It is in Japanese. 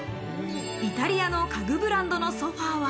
イタリアの家具ブランドのソファは。